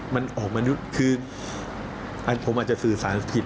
มันออกมนุษย์คือผมอาจจะสื่อสารผิด